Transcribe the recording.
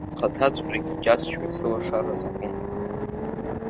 Са схаҭаҵәҟьагь иџьасшьоит сылшара закәу.